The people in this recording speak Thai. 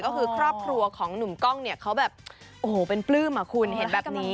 ก็คือครอบครัวของหนุ่มกล้องเนี่ยเขาแบบโอ้โหเป็นปลื้มอ่ะคุณเห็นแบบนี้